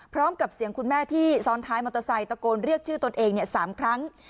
พร้อมกับเสียงคุณแม่ที่ซ้อนท้ายมอเตอร์ไซค์ตะโกนเรียกชื่อตนเอง๓ครั้ง